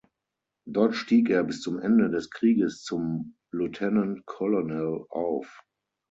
Dort stieg er bis zum Ende des Krieges zum Lieutenant Colonel auf.